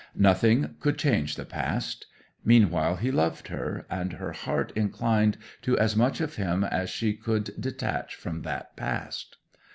Nothing could change the past. Meanwhile he loved her, and her heart inclined to as much of him as she could detach from that past.